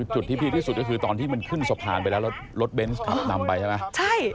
จุดที่พีคที่สุดก็คือตอนที่มันขึ้นสะพานไปแล้วแล้วรถเบนส์ขับนำไปใช่ไหมใช่